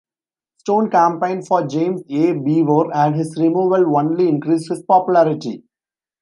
Stone campaigned for James A. Beaver, and his removal only increased his popularity.